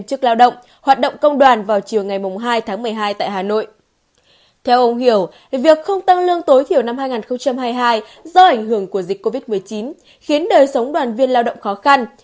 theo ông hiểu việc không tăng lương tối thiểu năm hai nghìn hai mươi hai do ảnh hưởng của dịch covid một mươi chín khiến đời sống đoàn viên lao động khó khăn